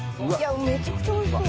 めちゃくちゃおいしそう。